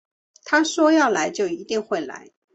他说要来就一定会来